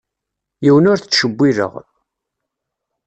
Yiwen ur t-ttcewwileɣ.